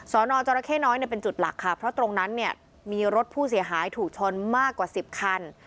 จรเข้น้อยเนี่ยเป็นจุดหลักค่ะเพราะตรงนั้นเนี่ยมีรถผู้เสียหายถูกชนมากกว่า๑๐คัน